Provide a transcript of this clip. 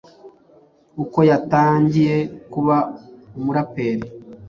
Uko yatangiye kuba umuraperi